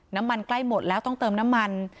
ใกล้หมดแล้วต้องเติมน้ำมัน